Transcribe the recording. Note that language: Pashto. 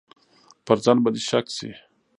پر ځان به دې شک شي.